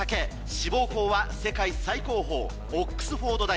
志望校は世界最高峰オックスフォード大学。